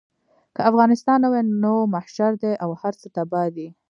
که افغانستان نه وي نو محشر دی او هر څه تباه دي.